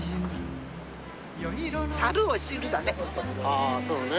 ああそうね。